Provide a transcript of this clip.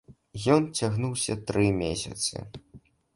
Ён цягнуўся тры месяцы.